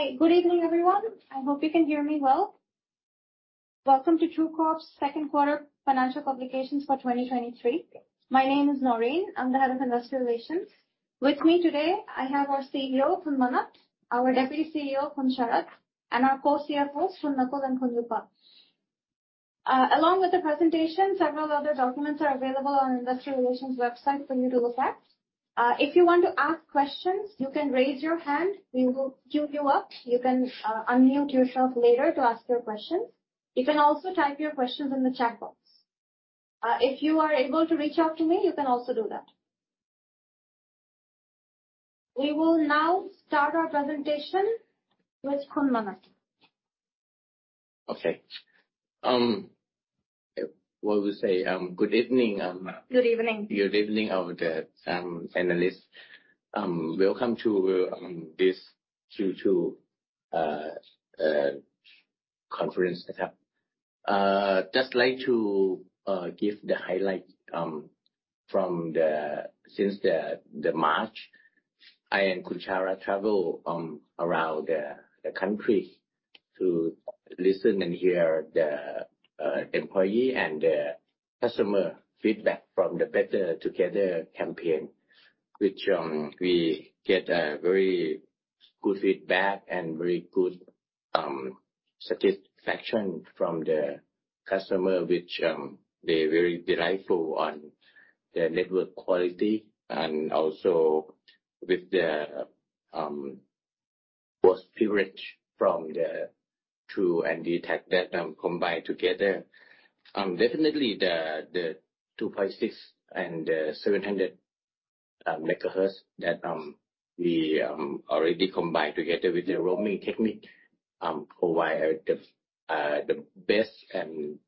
Hi, good evening, everyone. I hope you can hear me well. Welcome to True Corporation second quarter financial publications for 2023. My name is Naureen. I'm the Head of Investor Relations. With me today, I have our CEO, Khun Manat, our Deputy CEO, Khun Sharad, and our co-CFOs, Khun Nakul and Khun Yupa. Along with the presentation, several other documents are available on our Investor Relations website for you to look at. If you want to ask questions, you can raise your hand. We will queue you up. You can unmute yourself later to ask your questions. You can also type your questions in the chat box. If you are able to reach out to me, you can also do that. We will now start our presentation with Khun Manat. Okay. what we say, good evening, Good evening. Good evening, panelists. Welcome to this Q2 conference setup. Just like to give the highlight since the March. I and Khun Sharad travel around the country to listen and hear the employee and the customer feedback from the Better Together campaign, which we get a very good feedback and very good satisfaction from the customer, which they very delightful on the network quality and also with the both privilege from the True and DTAC that combine together. Definitely the 2.6 and the 700 megahertz that we already combined together with the roaming technique provide the best and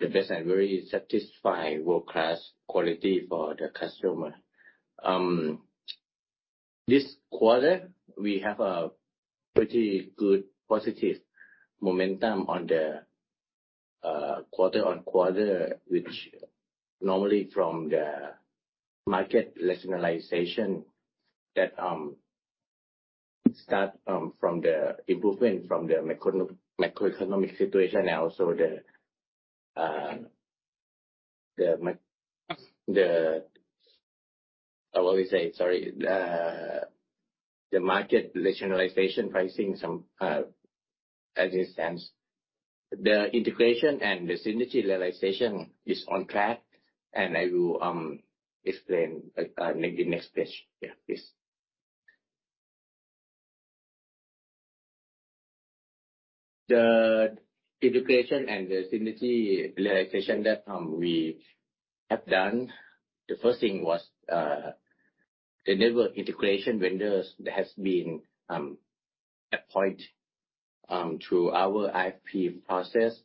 very satisfied world-class quality for the customer. This quarter, we have a pretty good positive momentum on the quarter-on-quarter, which normally from the market rationalization that start from the improvement from the macroeconomic situation and also the market rationalization pricing. Some as in sense, the integration and the synergy realization is on track, and I will explain in the next page. Yeah, please. The integration and the synergy realization that we have done, the first thing was the network integration vendors that has been appointed through our RFP process.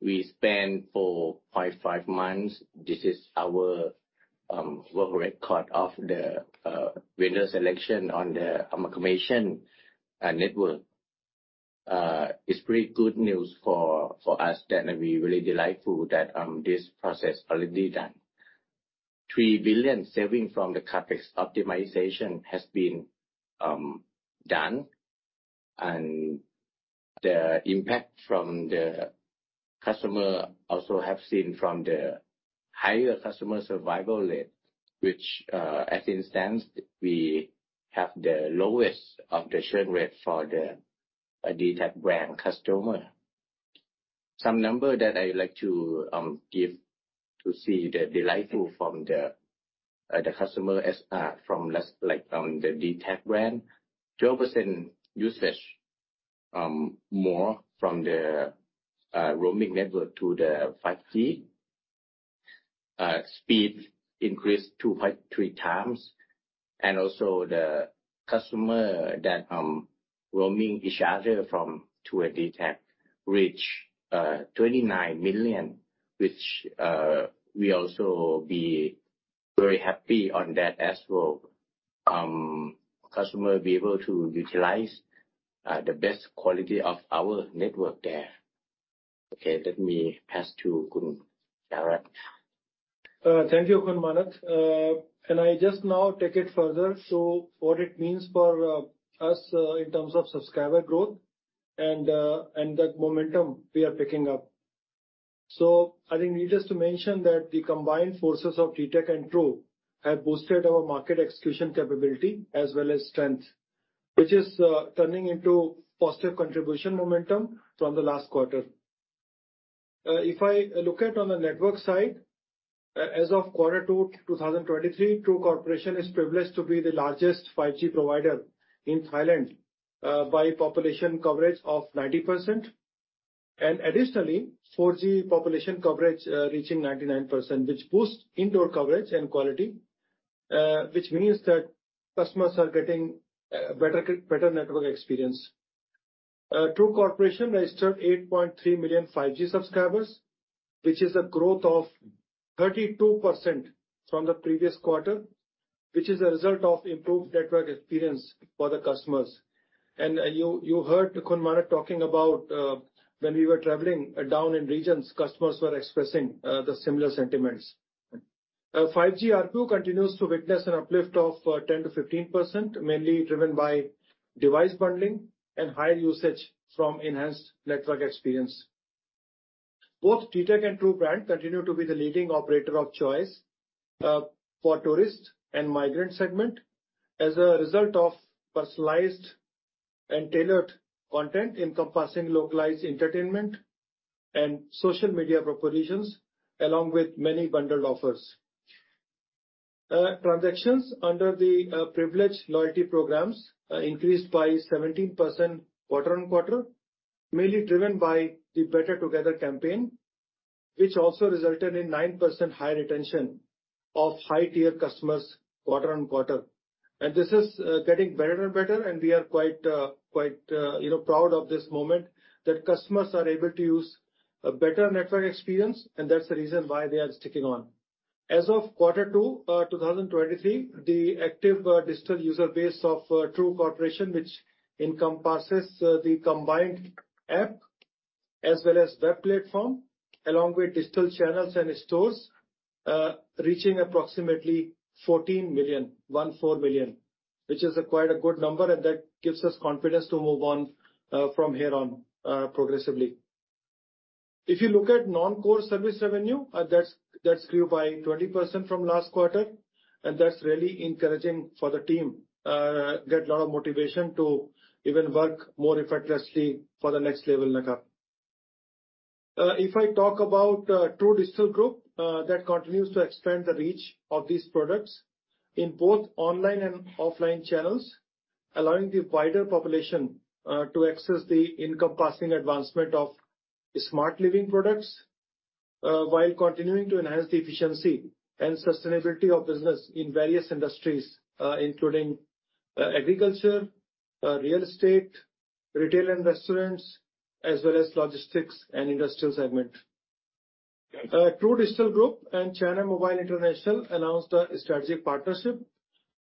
We spent 4.5 months. This is our work record of the vendor selection on the amalgamation network. It's pretty good news for us that we really delightful that this process already done. 3 billion saving from the CapEx optimization has been done. The impact from the customer also have seen from the higher customer survival rate, which as in sense, we have the lowest of the churn rate for the DTAC brand customer. Some number that I like to give to see the delightful from the customer as from less like the DTAC brand. 12% usage more from the roaming network to the 5G. Speed increased 2.3x. Also the customer that roaming each other from True and DTAC, reached 29 million, which we also be very happy on that as well. Customer be able to utilize the best quality of our network there. Okay, let me pass to Khun Sharad. Thank you, Khun Manat. I just now take it further, what it means for us in terms of subscriber growth and the momentum we are picking up. I think needless to mention that the combined forces of DTAC and True have boosted our market execution capability as well as strength, which is turning into positive contribution momentum from the last quarter. If I look at on the network side, as of quarter two, 2023, True Corporation is privileged to be the largest 5G provider in Thailand by population coverage of 90%. Additionally, 4G population coverage reaching 99%, which boosts indoor coverage and quality, which means that customers are getting better network experience. True Corporation registered 8.3 million 5G subscribers, which is a growth of 32% from the previous quarter, which is a result of improved network experience for the customers. You heard Khun Manat talking about when we were traveling down in regions, customers were expressing the similar sentiments. 5G ARPU continues to witness an uplift of 10%-15%, mainly driven by device bundling and higher usage from enhanced network experience. Both DTAC and True brand continue to be the leading operator of choice for tourists and migrant segment as a result of personalized and tailored content, encompassing localized entertainment and social media propositions, along with many bundled offers. Transactions under the privilege loyalty programs increased by 17% quarter-on-quarter, mainly driven by the Better Together campaign, which also resulted in 9% higher retention of high-tier customers quarter-on-quarter. This is getting better and better, and we are quite, you know, proud of this moment, that customers are able to use a better network experience, and that's the reason why they are sticking on. As of Quarter 2, 2023, the active digital user base of True Corporation, which encompasses the combined app as well as web platform, along with digital channels and stores, reaching approximately 14 million, 14 million, which is quite a good number, and that gives us confidence to move on from here on progressively. If you look at non-core service revenue, that's grew by 20% from last quarter, and that's really encouraging for the team. Get a lot of motivation to even work more effortlessly for the next level mega. If I talk about True Digital Group, that continues to expand the reach of these products in both online and offline channels, allowing the wider population to access the encompassing advancement of smart living products, while continuing to enhance the efficiency and sustainability of business in various industries, including agriculture, real estate, retail and restaurants, as well as logistics and industrial segment. True Digital Group and China Mobile International announced a strategic partnership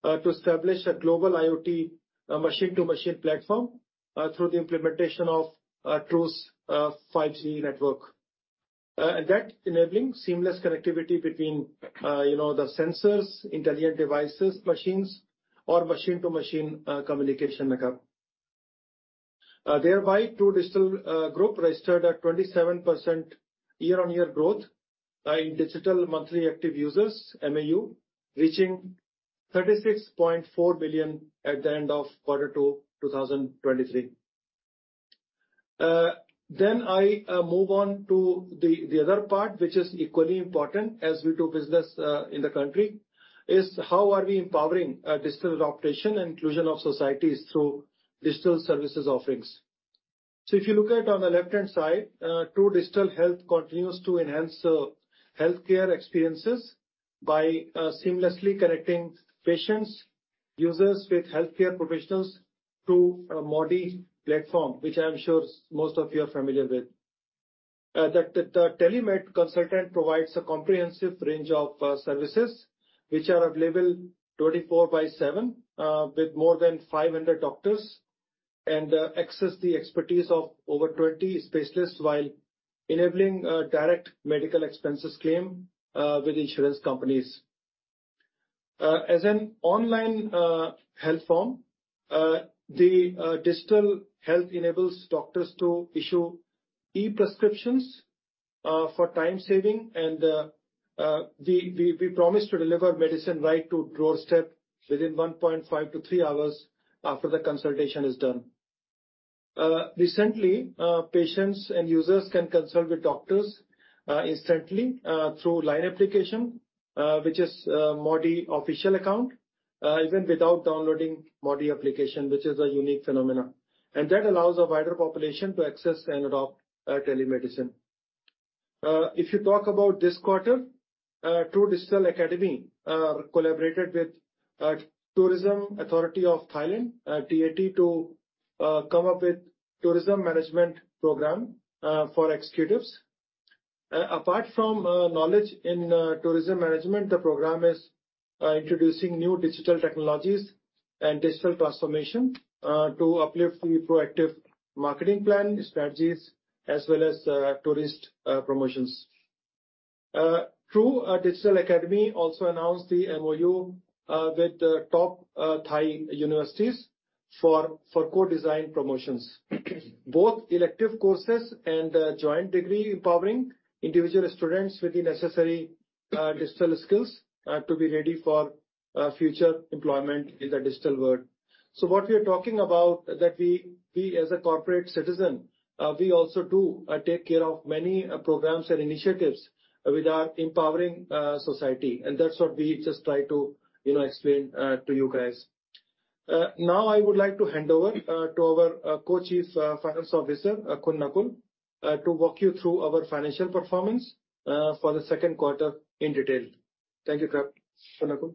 to establish a global IoT, machine-to-machine platform, through the implementation of True's 5G network. That enabling seamless connectivity between, you know, the sensors, internet devices, machines, or machine-to-machine communication mega. Thereby, True Digital Group registered at 27% year-on-year growth in digital monthly active users, MAU, reaching 36.4 billion at the end of quarter 2, 2023. I move on to the other part, which is equally important as we do business in the country, is how are we empowering digital adoption and inclusion of societies through digital services offerings? If you look at on the left-hand side, True Digital Health continues to enhance healthcare experiences by seamlessly connecting patients, users with healthcare professionals through MorDee platform, which I am sure most of you are familiar with. The TeleMed consultant provides a comprehensive range of services which are available 24 by 7, with more than 500 doctors, and access the expertise of over 20 specialists, while enabling direct medical expenses claim with insurance companies. As an online health form, the digital health enables doctors to issue e-prescriptions for time saving and we promise to deliver medicine right to doorstep within 1.5 to 3 hours after the consultation is done. Recently, patients and users can consult with doctors instantly through LINE application, which is MorDee official account, even without downloading MorDee application, which is a unique phenomenon. That allows a wider population to access and adopt Telemedicine. If you talk about this quarter, True Digital Academy collaborated with Tourism Authority of Thailand, TAT, to come up with tourism management program for executives. Apart from knowledge in tourism management, the program is introducing new digital technologies and digital transformation to uplift the proactive marketing plan strategies as well as tourist promotions. True Digital Academy also announced the MOU with the top Thai universities for co-design promotions. Both elective courses and joint degree empowering individual students with the necessary digital skills to be ready for future employment in the digital world. What we are talking about is that we as a corporate citizen, we also do take care of many programs and initiatives without empowering society, and that's what we just try to, you know, explain to you guys. Now, I would like to hand over to our Co-Chief Finance Officer, Kun Nakul, to walk you through our financial performance for the second quarter in detail. Thank you. Kun Nakul?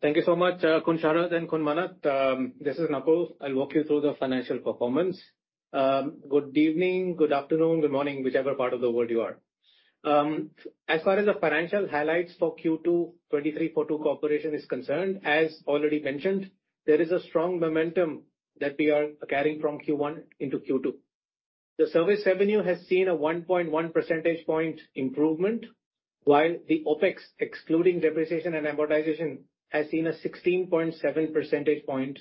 Thank you so much, Khun Sharad and Khun Manat. This is Nakul. I'll walk you through the financial performance. Good evening, good afternoon, good morning, whichever part of the world you are. As far as the financial highlights for Q2 2023 for True Corporation is concerned, as already mentioned, there is a strong momentum that we are carrying from Q1 into Q2. The service revenue has seen a 1.1 percentage point improvement, while the OpEx, excluding depreciation and amortization, has seen a 16.7 percentage point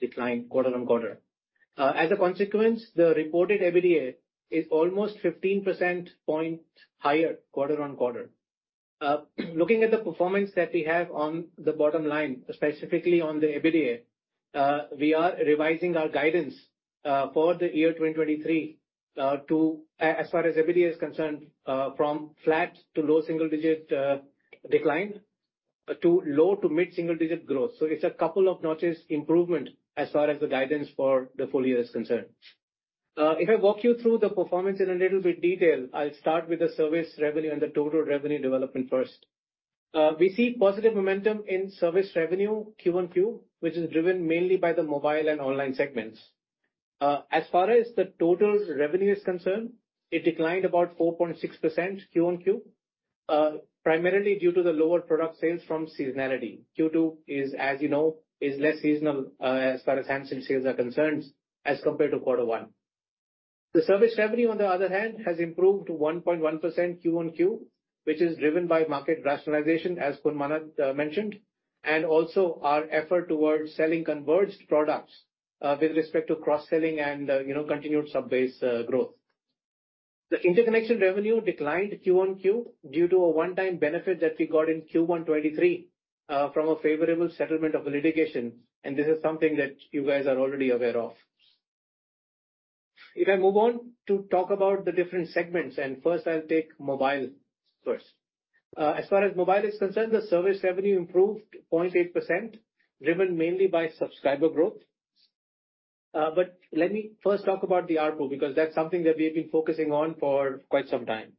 decline quarter-on-quarter. As a consequence, the reported EBITDA is almost 15 percentage point higher quarter-on-quarter. Looking at the performance that we have on the bottom line, specifically on the EBITDA, we are revising our guidance for the year 2023, to as far as EBITDA is concerned, from flat to low single digit decline, to low to mid single digit growth. It's a couple of notches improvement as far as the guidance for the full year is concerned. If I walk you through the performance in a little bit detail, I'll start with the service revenue and the total revenue development first. We see positive momentum in service revenue Q1Q, which is driven mainly by the mobile and online segments. As far as the total revenue is concerned, it declined about 4.6% quarter-over-quarter, primarily due to the lower product sales from seasonality. Q2 is, as you know, is less seasonal, as far as handset sales are concerned, as compared to quarter one. The service revenue, on the other hand, has improved 1.1% quarter-over-quarter, which is driven by market rationalization, as Khun Manat mentioned, and also our effort towards selling converged products, with respect to cross-selling and, you know, continued sub-based growth. The interconnection revenue declined quarter-over-quarter due to a one-time benefit that we got in Q1 2023, from a favorable settlement of a litigation. This is something that you guys are already aware of. If I move on to talk about the different segments, first I'll take mobile first. As far as mobile is concerned, the service revenue improved 0.8%, driven mainly by subscriber growth. Let me first talk about the ARPU, because that's something that we've been focusing on for quite some time.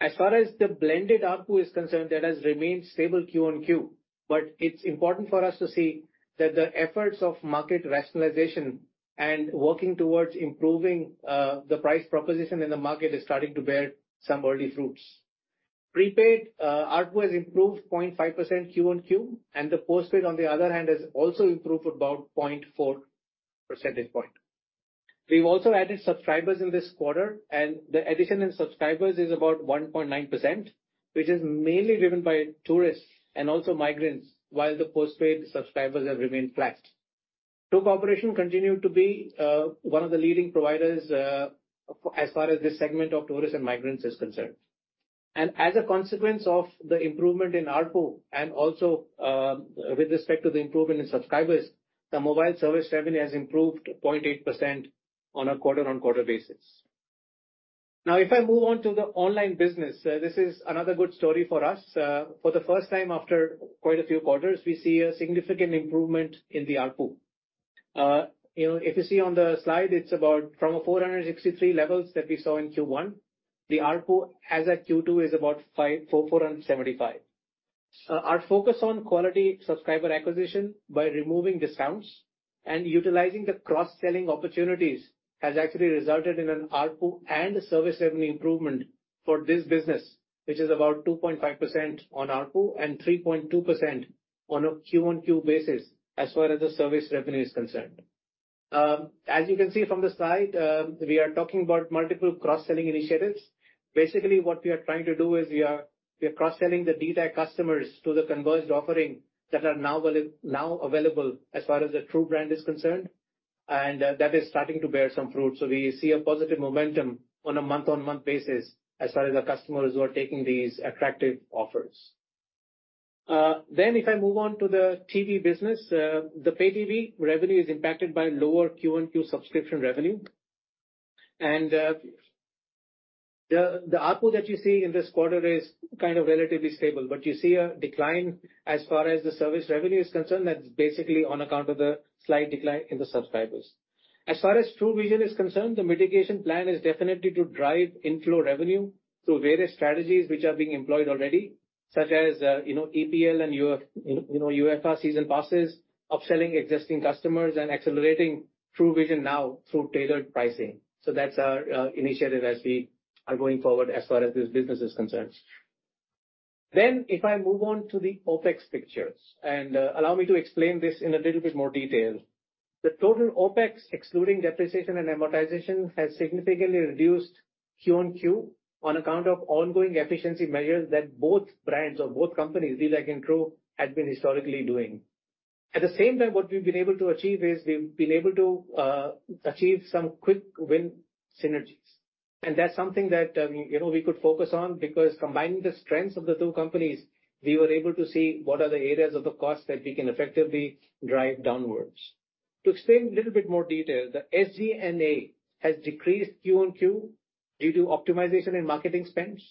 As far as the blended ARPU is concerned, that has remained stable quarter-over-quarter, but it's important for us to see that the efforts of market rationalization and working towards improving the price proposition in the market is starting to bear some early fruits. Prepaid ARPU has improved 0.5% quarter-over-quarter, and the postpaid, on the other hand, has also improved about 0.4 percentage point. We've also added subscribers in this quarter, and the addition in subscribers is about 1.9%, which is mainly driven by tourists and also migrants, while the postpaid subscribers have remained flat. True Corporation continued to be one of the leading providers as far as this segment of tourists and migrants is concerned. As a consequence of the improvement in ARPU and also, with respect to the improvement in subscribers, the mobile service revenue has improved 0.8% on a quarter-on-quarter basis. If I move on to the online business, this is another good story for us. For the first time after quite a few quarters, we see a significant improvement in the ARPU. You know, if you see on the slide, from 463 levels that we saw in Q1, the ARPU, as at Q2, is about 475. Our focus on quality subscriber acquisition by removing discounts and utilizing the cross-selling opportunities, has actually resulted in an ARPU and a service revenue improvement for this business, which is about 2.5% on ARPU and 3.2% on a quarter-over-quarter basis, as far as the service revenue is concerned. As you can see from the slide, we are talking about multiple cross-selling initiatives. Basically, what we are trying to do is we are cross-selling the DTH customers to the converged offering that are now available as far as the True brand is concerned, and that is starting to bear some fruit. We see a positive momentum on a month-on-month basis as far as the customers who are taking these attractive offers. If I move on to the TV business, the pay-TV revenue is impacted by lower quarter-over-quarter subscription revenue. The ARPU that you see in this quarter is kind of relatively stable, but you see a decline as far as the service revenue is concerned, that's basically on account of the slight decline in the subscribers. As far as TrueVisions is concerned, the mitigation plan is definitely to drive inflow revenue through various strategies which are being employed already, such as, you know, EPL and UEFA season passes, upselling existing customers, and accelerating TrueVisions Now through tailored pricing. That's our initiative as we are going forward, as far as this business is concerned. If I move on to the OpEx pictures, allow me to explain this in a little bit more detail. The total OpEx, excluding depreciation and amortization, has significantly reduced quarter-over-quarter on account of ongoing efficiency measures that both brands or both companies, DTH and True, have been historically doing. At the same time, what we've been able to achieve is, we've been able to achieve some quick-win synergies. That's something that, you know, we could focus on, because combining the strengths of the two companies, we were able to see what are the areas of the cost that we can effectively drive downwards. To explain in a little bit more detail, the SG&A has decreased quarter-over-quarter due to optimization in marketing spends,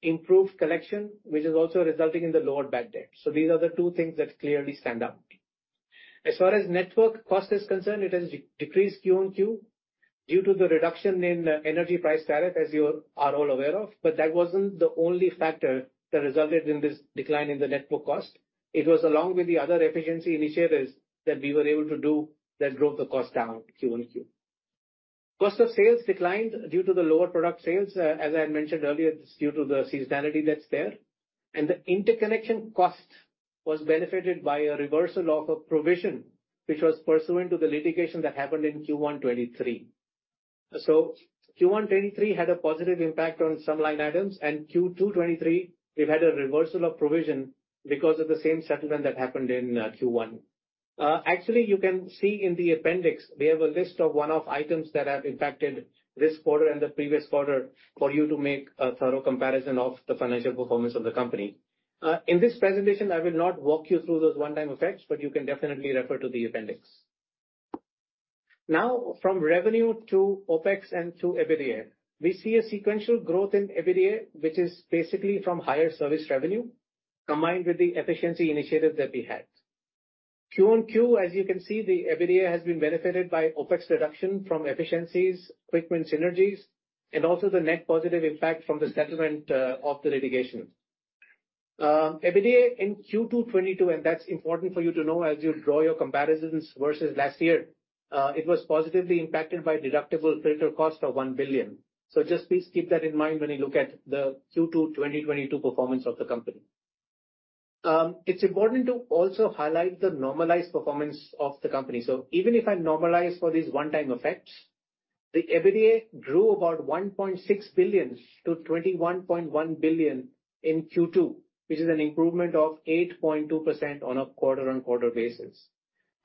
improved collection, which is also resulting in the lower bad debt. These are the two things that clearly stand out. As far as network cost is concerned, it has decreased quarter-over-quarter due to the reduction in energy price tariff, as you are all aware of, but that wasn't the only factor that resulted in this decline in the network cost. It was along with the other efficiency initiatives that we were able to do that drove the cost down quarter-over-quarter. Cost of sales declined due to the lower product sales, as I had mentioned earlier, it's due to the seasonality that's there. The interconnection cost was benefited by a reversal of a provision, which was pursuant to the litigation that happened in Q1 2023. Q1 2023 had a positive impact on some line items, and Q2 2023, we've had a reversal of provision because of the same settlement that happened in Q1. Actually, you can see in the appendix, we have a list of one-off items that have impacted this quarter and the previous quarter for you to make a thorough comparison of the financial performance of the company. In this presentation, I will not walk you through those one-time effects, but you can definitely refer to the appendix. From revenue to OpEx and to EBITDA, we see a sequential growth in EBITDA, which is basically from higher service revenue, combined with the efficiency initiatives that we had. Quarter-over-quarter, as you can see, the EBITDA has been benefited by OpEx reduction from efficiencies, quick win synergies, and also the net positive impact from the settlement of the litigation. EBITDA in Q2 2022, that's important for you to know as you draw your comparisons versus last year, it was positively impacted by deductible filter cost of 1 billion. Just please keep that in mind when you look at the Q2 2022 performance of the company. It's important to also highlight the normalized performance of the company. Even if I normalize for these one-time effects, the EBITDA grew about 1.6 billion to 21.1 billion in Q2, which is an improvement of 8.2% on a quarter-on-quarter basis.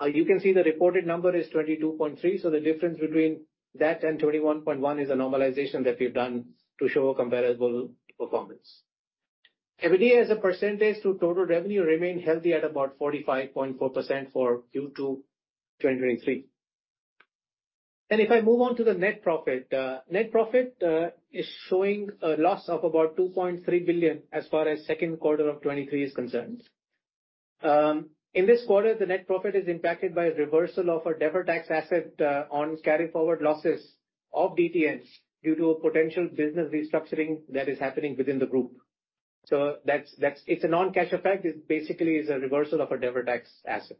You can see the reported number is 22.3 billion, the difference between that and 21.1 billion is a normalization that we've done to show a comparable performance. EBITDA, as a percentage to total revenue, remained healthy at about 45.4% for Q2 2023. If I move on to the net profit, net profit is showing a loss of about 2.3 billion as far as second quarter of 2023 is concerned. In this quarter, the net profit is impacted by a reversal of a deferred tax asset on carry forward losses of DTS due to a potential business restructuring that is happening within the group. That's a non-cash effect. It basically is a reversal of a deferred tax asset.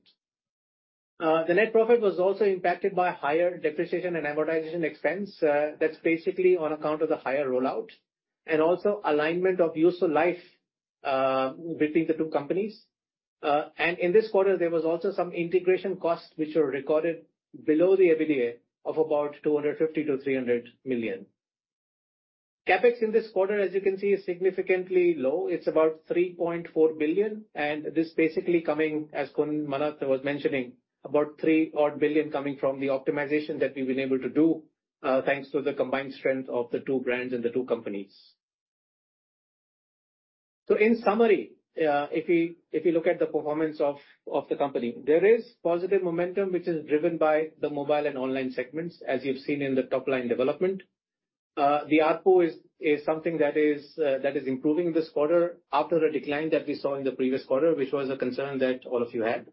The net profit was also impacted by higher Depreciation and Amortization expense. That's basically on account of the higher rollout, and also alignment of useful life between the two companies. In this quarter, there was also some integration costs, which were recorded below the EBITDA of about 250 million-300 million. CapEx in this quarter, as you can see, is significantly low. It's about 3.4 billion, this basically coming, as Kun Manat was mentioning, about 3 billion coming from the optimization that we've been able to do, thanks to the combined strength of the two brands and the two companies. In summary, if you, if you look at the performance of the company, there is positive momentum, which is driven by the mobile and online segments, as you've seen in the top line development. The ARPU is something that is improving this quarter after a decline that we saw in the previous quarter, which was a concern that all of you had.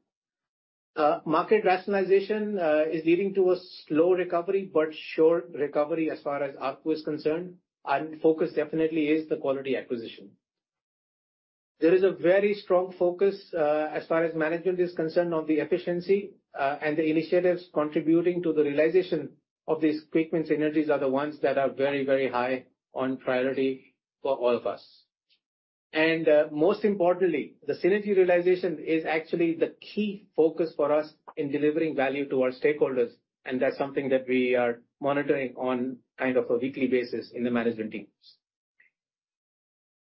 Market rationalization is leading to a slow recovery, but sure recovery as far as ARPU is concerned, and focus definitely is the quality acquisition. There is a very strong focus, as far as management is concerned, on the efficiency, and the initiatives contributing to the realization of these quick win synergies are the ones that are very, very high on priority for all of us. Most importantly, the synergy realization is actually the key focus for us in delivering value to our stakeholders, and that's something that we are monitoring on kind of a weekly basis in the management teams.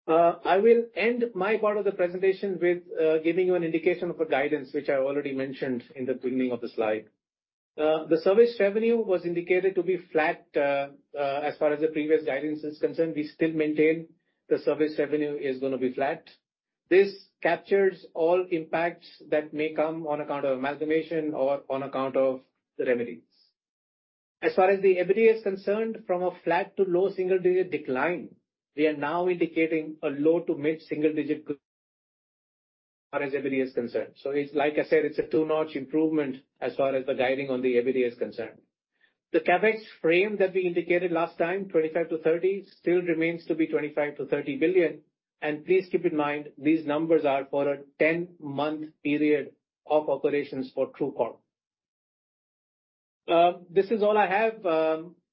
I will end my part of the presentation with giving you an indication of a guidance, which I already mentioned in the beginning of the slide. The service revenue was indicated to be flat, as far as the previous guidance is concerned. We still maintain the service revenue is gonna be flat. This captures all impacts that may come on account of amalgamation or on account of the remedies. As far as the EBITDA is concerned, from a flat to low single-digit decline, we are now indicating a low to mid-single digit as far as EBITDA is concerned. It's like I said, it's a two-notch improvement as far as the guiding on the EBITDA is concerned. The CapEx frame that we indicated last time, 25 billion-30 billion, still remains to be 25 billion-30 billion. Please keep in mind, these numbers are for a 10-month period of operations for True Corp. This is all I have.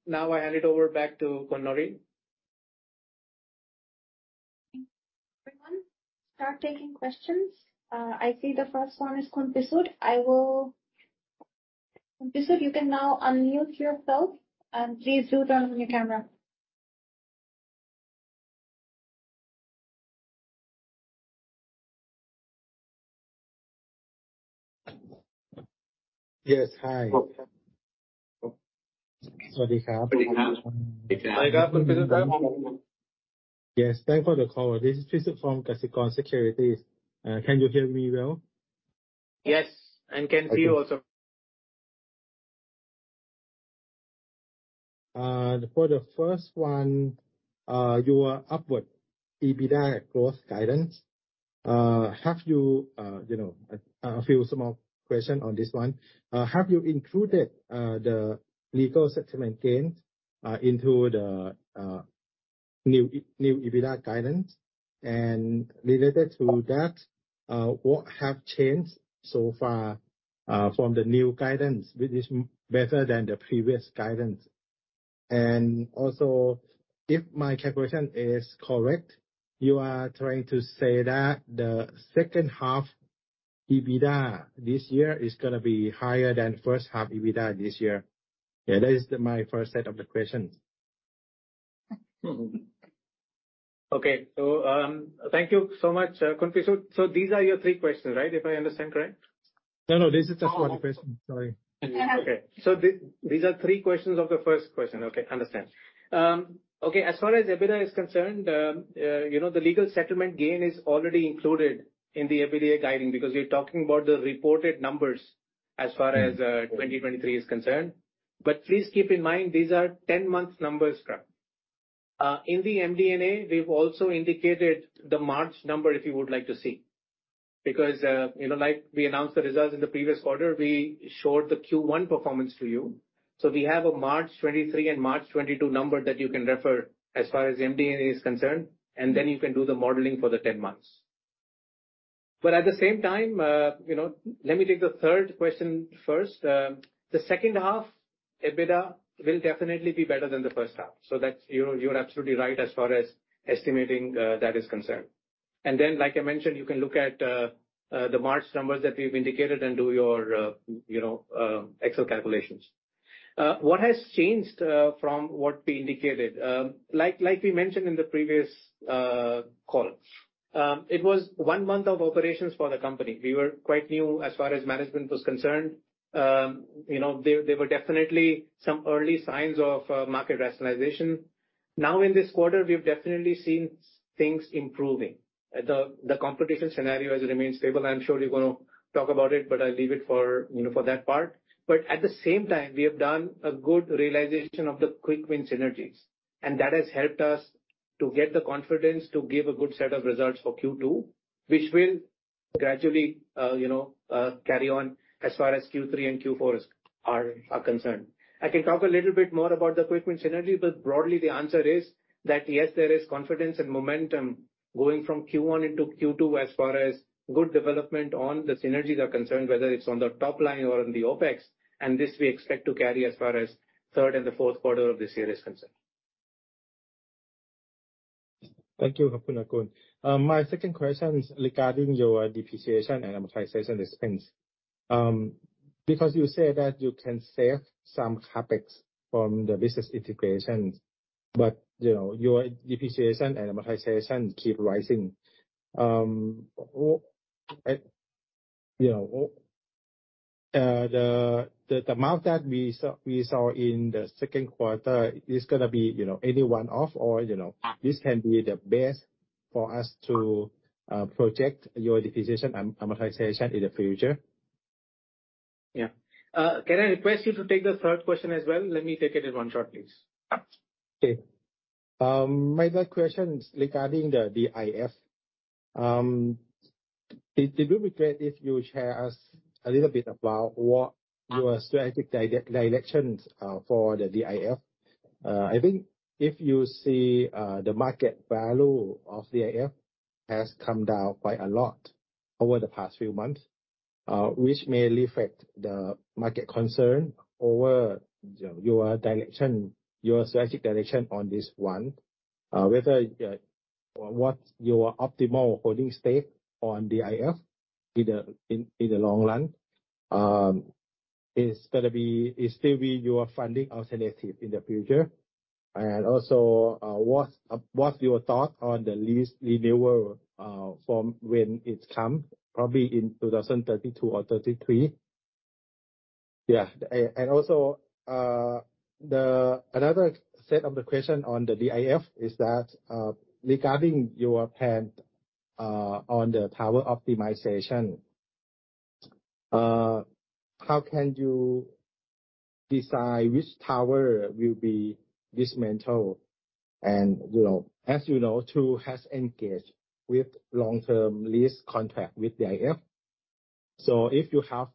Now I hand it over back to Khun Nor. Everyone, start taking questions. I see the first one is Khun Pisut. Khun Pisut, you can now unmute yourself, and please do turn on your camera. Yes, hi. Hello. Yes, thank for the call. This is Pisut from Kasikorn Securities. Can you hear me well? Yes, can see you also. For the first one, your upward EBITDA growth guidance, have you know, a few small question on this one? Have you included the legal settlement gains into the new EBITDA guidance? Related to that, what have changed so far from the new guidance, which is better than the previous guidance? If my calculation is correct, you are trying to say that the second half EBITDA this year is gonna be higher than first half EBITDA this year? Yeah, that is my first set of the questions. Okay. Thank you so much, Khun Pisut. These are your three questions, right? If I understand correct. No, no, this is just one question. Sorry. Okay. So these are three questions of the first question. Okay, understand. Okay, as far as EBITDA is concerned, you know, the legal settlement gain is already included in the EBITDA guiding, because we're talking about the reported numbers as far as 2023 is concerned. Please keep in mind, these are 10-month numbers, right? In the MD&A, we've also indicated the March number, if you would like to see. Because, you know, like we announced the results in the previous quarter, we showed the Q1 performance to you. So we have a March 23 and March 22 number that you can refer as far as MD&A is concerned, and then you can do the modeling for the 10 months. At the same time, you know, let me take the third question first. The second half, EBITDA will definitely be better than the first half. That's, you know, you're absolutely right as far as estimating that is concerned. Like I mentioned, you can look at the March numbers that we've indicated and do your, you know, extra calculations. What has changed from what we indicated? Like we mentioned in the previous call, it was 1 month of operations for the company. We were quite new as far as management was concerned. You know, there were definitely some early signs of market rationalization. Now, in this quarter, we've definitely seen things improving. The competition scenario as it remains stable, I'm sure you're gonna talk about it, but I'll leave it for, you know, for that part. At the same time, we have done a good realization of the Quick Win synergies, and that has helped us to get the confidence to give a good set of results for Q2, which will gradually, you know, carry on as far as Q3 and Q4 are concerned. I can talk a little bit more about the Quick Win synergy, broadly, the answer is that, yes, there is confidence and momentum going from Q1 into Q2 as far as good development on the synergies are concerned, whether it's on the top line or on the OpEx, and this we expect to carry as far as the third and the fourth quarter of this year is concerned. Thank you, Nakul Sehgal. My second question is regarding your depreciation and amortization expense. You say that you can save some CapEx from the business integration, you know, your depreciation and amortization keep rising. You know, the amount that we saw in the second quarter is gonna be, you know, any one-off or, you know, this can be the best for us to project your depreciation and amortization in the future? Yeah. Can I request you to take the third question as well? Let me take it in one shot, please. Okay. My third question is regarding the DIF. It would be great if you share us a little bit about what your strategic directions for the DIF. I think if you see, the market value of DIF has come down quite a lot over the past few months, which may reflect the market concern over your direction, your strategic direction on this one. Whether, what's your optimal holding stake on DIF in the long run? It's still be your funding alternative in the future. What's your thought on the lease renewal from when it come, probably in 2032 or 2033? Also, another set of the question on the DIF is that, regarding your plan on the tower optimization, how can you decide which tower will be dismantled? You know, as you know, True has engaged with long-term lease contract with DIF. If you have,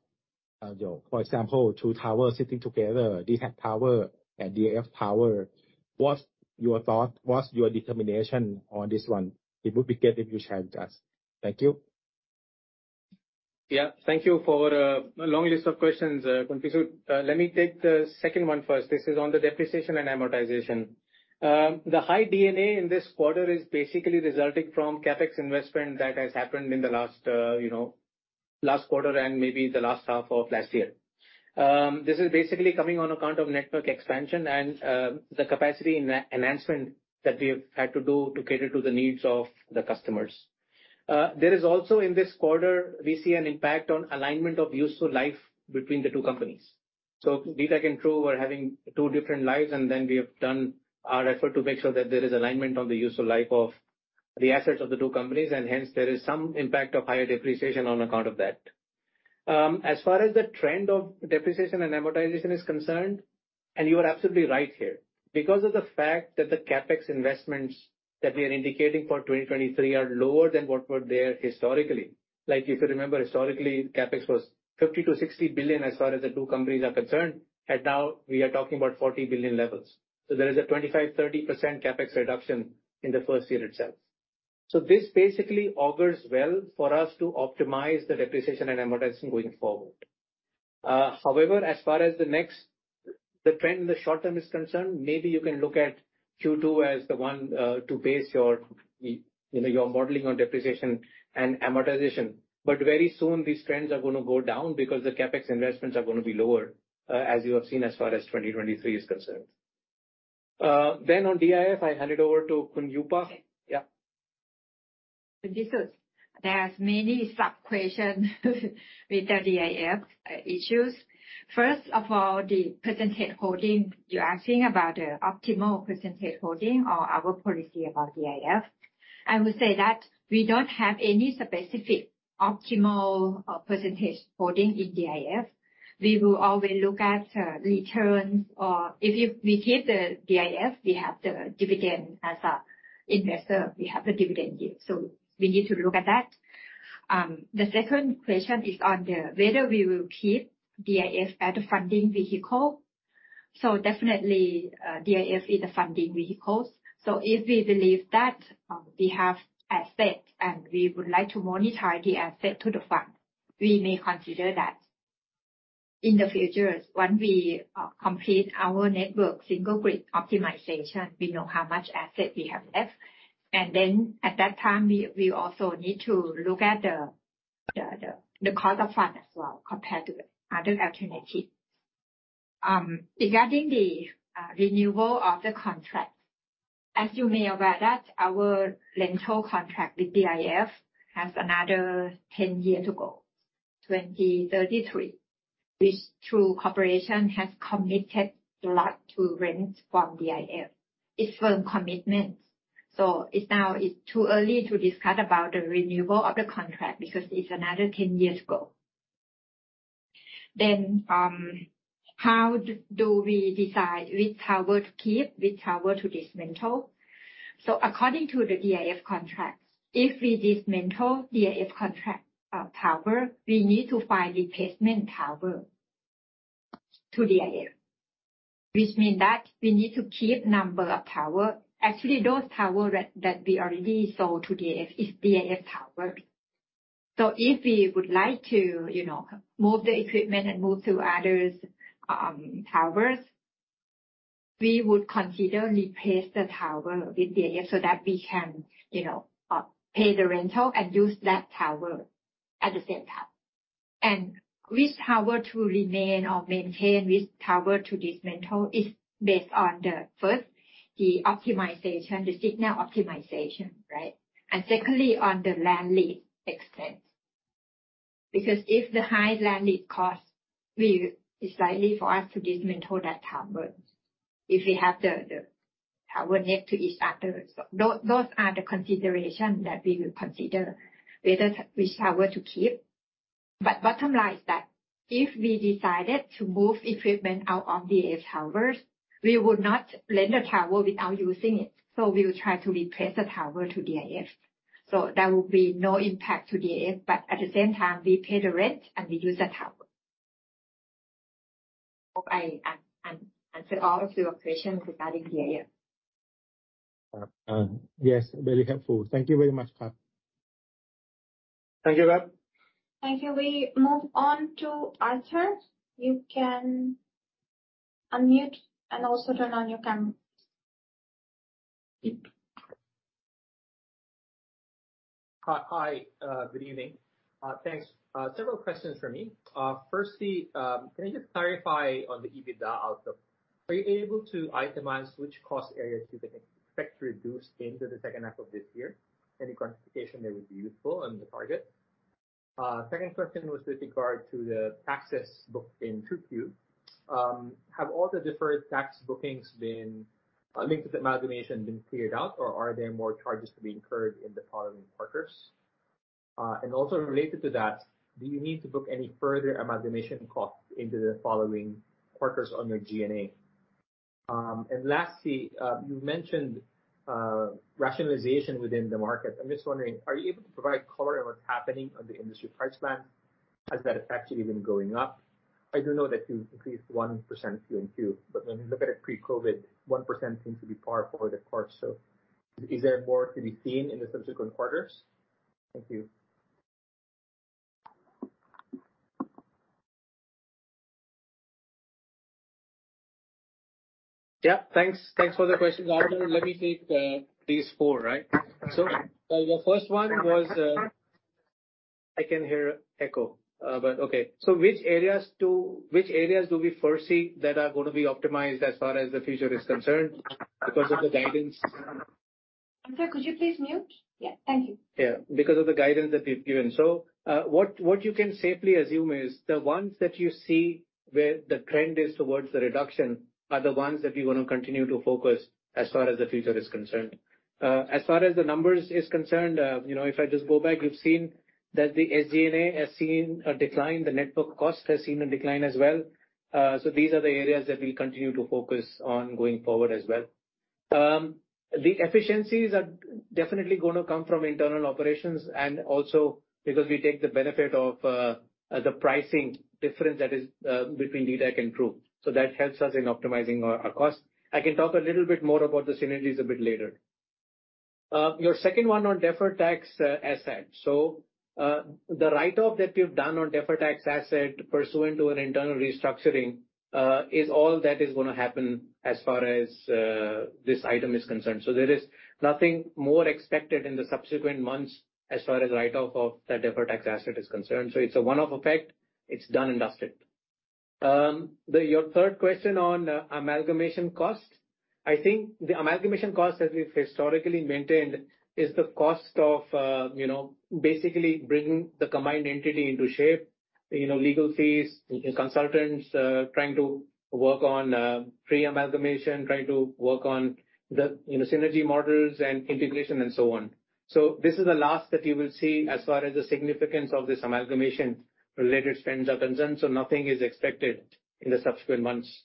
for example, two towers sitting together, DTAC tower and DIF tower, what's your thought? What's your determination on this one? It would be great if you shared with us. Thank you. Thank you for a long list of questions, Khun Pisut. Let me take the second one first. This is on the depreciation and amortization. The high D&A in this quarter is basically resulting from CapEx investment that has happened in the last, you know, last quarter and maybe the last half of last year. This is basically coming on account of network expansion and the capacity enhancement that we have had to do to cater to the needs of the customers. There is also in this quarter, we see an impact on alignment of useful life between the two companies. DTAC and True were having two different lives, and then we have done our effort to make sure that there is alignment on the useful life of the assets of the two companies, and hence there is some impact of higher depreciation on account of that. As far as the trend of depreciation and amortization is concerned, and you are absolutely right here, because of the fact that the CapEx investments that we are indicating for 2023 are lower than what were there historically. If you remember, historically, CapEx was 50 billion-60 billion as far as the two companies are concerned, and now we are talking about 40 billion levels. There is a 25%-30% CapEx reduction in the first year itself. This basically augurs well for us to optimize the depreciation and amortization going forward. However, as far as the next, the trend in the short term is concerned, maybe you can look at Q2 as the one, to base your, you know, your modeling on depreciation and amortization. Very soon, these trends are going to go down because the CapEx investments are going to be lower, as you have seen as far as 2023 is concerned. On DIF, I hand it over to Kunyupa. Yeah. This is, there are many sub-questions with the DIF, issues. First of all, the percentage holding, you're asking about the optimal percentage holding or our policy about DIF. I would say that we don't have any specific optimal, percentage holding in DIF. We will always look at, returns, or We keep the DIF, we have the dividend. As a investor, we have the dividend yield, so we need to look at that. The second question is on the whether we will keep DIF as a funding vehicle. Definitely, DIF is the funding vehicles. If we believe that, we have assets, and we would like to monetize the asset to the fund, we may consider that. In the future, when we complete our network single grid optimization, we know how much asset we have left, and then at that time, we also need to look at the cost of fund as well, compared to the other alternative. Regarding the renewal of the contract, as you may be aware, that our rental contract with DIF has another 10 year to go, 2033, which True Corporation has committed a lot to rent from DIF. It's firm commitment, it's now, it's too early to discuss about the renewal of the contract because it's another 10 years go. How do we decide which tower to keep, which tower to dismantle? According to the DIF contract, if we dismantle DIF contract, tower, we need to find replacement tower to DIF, which mean that we need to keep number of tower. Actually, those tower that we already sold to DIF is DIF tower. If we would like to, you know, move the equipment and move to others, towers, we would consider replace the tower with DIF so that we can, you know, pay the rental and use that tower at the same time. Which tower to remain or maintain, which tower to dismantle, is based on the, first, the optimization, the signal optimization, right? Secondly, on the land lease extent. Because if the high land lease costs, it's likely for us to dismantle that tower, if we have the tower next to each other. Those are the considerations that we will consider, whether which tower to keep. Bottom line is that, if we decided to move equipment out of the DIF towers, we would not rent a tower without using it. We will try to replace the tower to DIF. There will be no impact to DIF, but at the same time, we pay the rent, and we use the tower. Hope I answer all of your questions regarding DIF. Yes, very helpful. Thank you very much, Kun. Thank you, Lap. Thank you. We move on to Arthur. You can unmute and also turn on your camera. Hi. Hi, good evening. Thanks. Several questions from me. Firstly, can you just clarify on the EBITDA outcome? Are you able to itemize which cost areas you can expect to reduce into the second half of this year? Any quantification that would be useful on the target. Second question was with regard to the taxes booked in Q2. Have all the deferred tax bookings been linked with amalgamation, been cleared out, or are there more charges to be incurred in the following quarters? Also related to that, do you need to book any further amalgamation costs into the following quarters on your G&A? Lastly, you mentioned rationalization within the market. I'm just wondering, are you able to provide color on what's happening on the industry price plan? Has that actually been going up? I do know that you increased 1% quarter-in-quarter. When you look at it pre-COVID, 1% seems to be par for the course. Is there more to be seen in the subsequent quarters? Thank you. Yeah, thanks. Thanks for the question, Arthur. Let me take, these four, right? The first one was. I can hear echo, but okay. Which areas do we foresee that are going to be optimized as far as the future is concerned because of the guidance? Arthur, could you please mute? Yeah. Thank you. Yeah. Because of the guidance that we've given. What you can safely assume is the ones that you see where the trend is towards the reduction, are the ones that we're going to continue to focus as far as the future is concerned. As far as the numbers is concerned, you know, if I just go back, we've seen that the SG&A has seen a decline, the network cost has seen a decline as well. These are the areas that we continue to focus on going forward as well. The efficiencies are definitely gonna come from internal operations, and also because we take the benefit of the pricing difference that is between DTAC and True, so that helps us in optimizing our costs. I can talk a little bit more about the synergies a bit later. Your second one on deferred tax assets. The write-off that we've done on deferred tax asset pursuant to an internal restructuring is all that is gonna happen as far as this item is concerned. There is nothing more expected in the subsequent months as far as write-off of the deferred tax asset is concerned. It's a one-off effect. It's done and dusted. Your third question on amalgamation costs. I think the amalgamation cost, as we've historically maintained, is the cost of, you know, basically bringing the combined entity into shape. You know, legal fees, consultants, trying to work on pre-amalgamation, trying to work on the, you know, synergy models and integration, and so on. This is the last that you will see as far as the significance of this amalgamation-related spends are concerned. Nothing is expected in the subsequent months.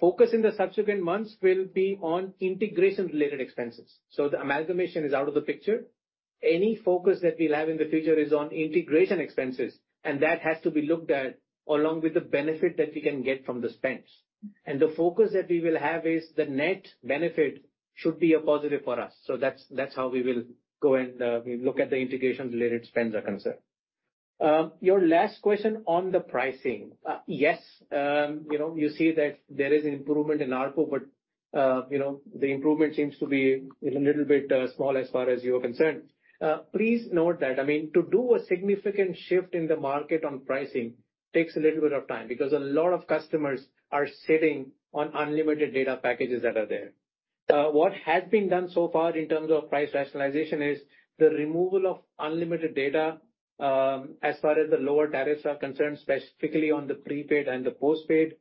Focus in the subsequent months will be on integration-related expenses. The amalgamation is out of the picture. Any focus that we'll have in the future is on integration expenses, and that has to be looked at along with the benefit that we can get from the spends. The focus that we will have is the net benefit should be a positive for us. That's, that's how we will go and we look at the integration-related spends are concerned. Your last question on the pricing. You know, you see that there is improvement in ARPU. You know, the improvement seems to be a little bit small as far as you are concerned. Please note that, I mean, to do a significant shift in the market on pricing takes a little bit of time, because a lot of customers are sitting on unlimited data packages that are there. What has been done so far in terms of price rationalization is the removal of unlimited data as far as the lower tariffs are concerned, specifically on the prepaid and the postpaid.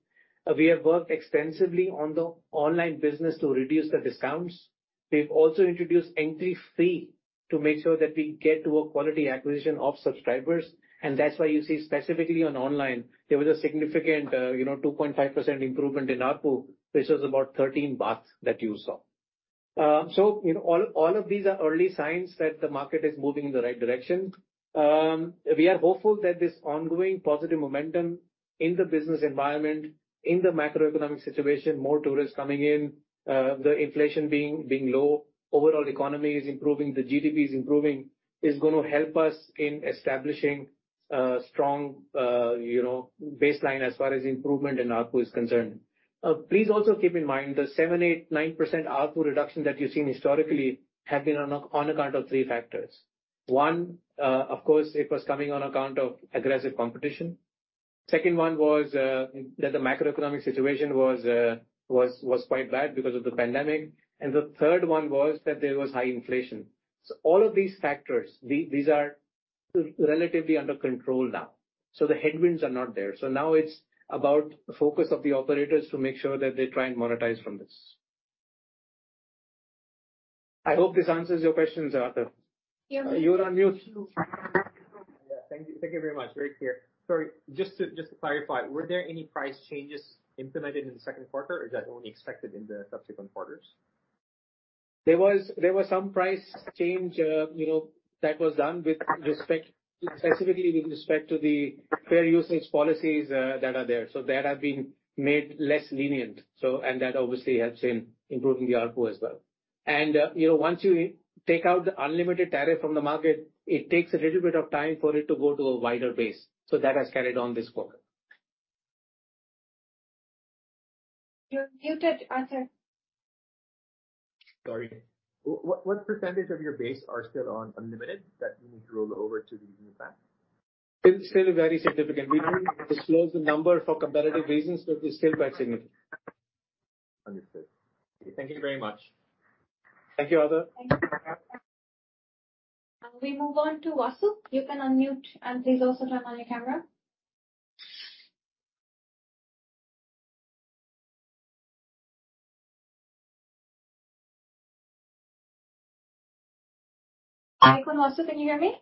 We have worked extensively on the online business to reduce the discounts. We've also introduced entry free to make sure that we get to a quality acquisition of subscribers, and that's why you see specifically on online, there was a significant, you know, 2.5% improvement in ARPU, which was about 13 baht that you saw. You know, all of these are early signs that the market is moving in the right direction. We are hopeful that this ongoing positive momentum in the business environment, in the macroeconomic situation, more tourists coming in, the inflation being low, overall economy is improving, the GDP is improving, is gonna help us in establishing a strong, you know, baseline as far as improvement in ARPU is concerned. Please also keep in mind, the 7%, 8%, 9% ARPU reduction that you've seen historically have been on account of factor factors. One, of course, it was coming on account of aggressive competition. Second one was that the macroeconomic situation was quite bad because of the pandemic. The third one was that there was high inflation. All of these factors, these are relatively under control now, so the headwinds are not there. Now it's about the focus of the operators to make sure that they try and monetize from this. I hope this answers your questions, Arthur. You're- You're on mute. Yeah. Thank you very much. Very clear. Sorry, just to clarify, were there any price changes implemented in the second quarter, or is that only expected in the subsequent quarters? There was some price change, you know, that was done with respect specifically with respect to the fair usage policies, that are there. That have been made less lenient, so, and that obviously has been improving the ARPU as well. You know, once you take out the unlimited tariff from the market, it takes a little bit of time for it to go to a wider base. That has carried on this quarter. You're muted, Arthur. Sorry. What % of your base are still on unlimited that you need to roll over to the new plan? It's still very significant. We don't disclose the number for competitive reasons. It's still quite significant. Understood. Thank you very much. Thank you, Arthur. Thank you. We move on to Vasu. You can unmute, and please also turn on your camera. Hi, Vasu, can you hear me?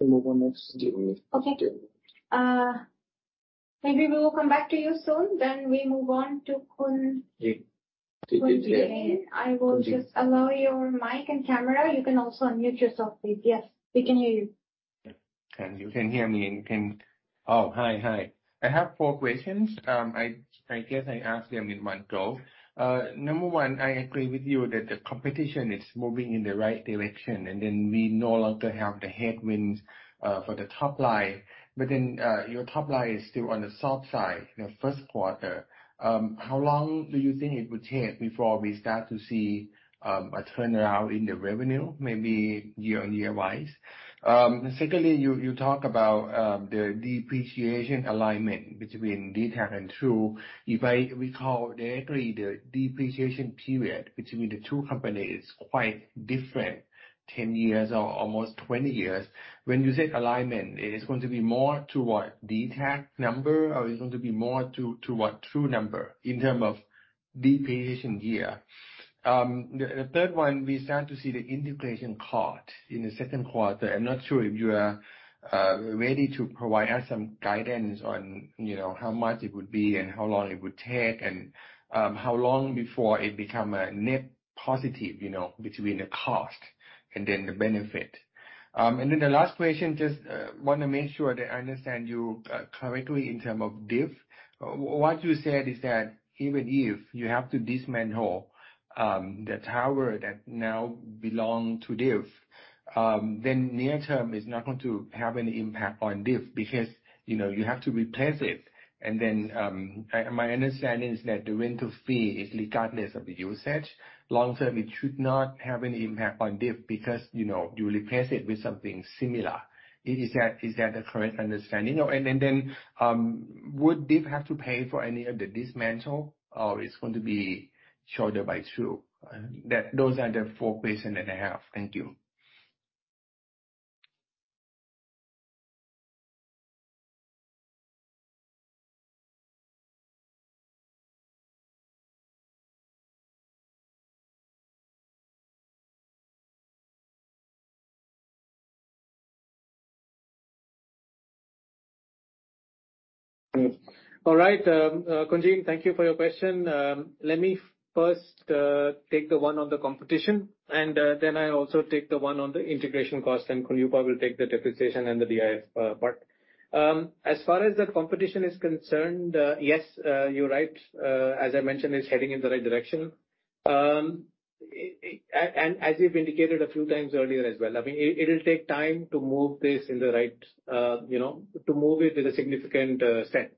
Move on next. Okay. maybe we will come back to you soon, then we move on to Khun. Yeah. I will just allow your mic and camera. You can also unmute yourself, please. Yes, we can hear you. You can hear me and you can... Oh, hi. Hi. I have four questions. I guess I ask them in one go. Number one, I agree with you that the competition is moving in the right direction, we no longer have the headwinds for the top line. Your top line is still on the soft side in the 1st quarter. How long do you think it would take before we start to see a turnaround in the revenue, maybe year-on-year-wise? Secondly, you talk about the depreciation alignment between DTAC and True. If I recall correctly, the depreciation period between the two companies is quite different, 10 years or almost 20 years. When you say alignment, it is going to be more toward DTAC number, or it's going to be more toward True number in term of depreciation year? The third one, we start to see the integration cost in the second quarter. I'm not sure if you are ready to provide us some guidance on, you know, how much it would be and how long it would take, and how long before it become a positive, you know, between the cost and then the benefit. Then the last question, just want to make sure that I understand you correctly in term of DIF. What you said is that even if you have to dismantle the tower that now belong to DIF, then near term is not going to have any impact on DIF because, you know, you have to replace it. Then my understanding is that the rental fee is regardless of the usage. Long term, it should not have any impact on DIF because, you know, you replace it with something similar. Is that, is that a correct understanding? Then, would DIF have to pay for any of the dismantle or it's going to be charged by True? That, those are the four question that I have. Thank you. All right, Khun Ji, thank you for your question. Let me first take the one on the competition, and then I also take the one on the integration cost, and Khun Yupa will take the depreciation and the DIF part. As far as the competition is concerned, yes, you're right. As I mentioned, it's heading in the right direction. As we've indicated a few times earlier as well, I mean, it'll take time to move this in the right, you know, to move it with a significant set.